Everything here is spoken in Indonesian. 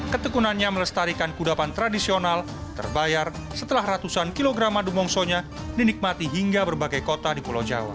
ketekunannya melestarikan kudapan tradisional terbayar setelah ratusan kilogram madu mongsonya dinikmati hingga berbagai kota di pulau jawa